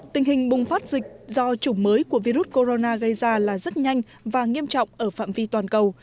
tình hình bùng phát dịch do chủng mới của virus corona gây ra là rất nhanh và nghiêm trọng ở phạm vi toàn cầu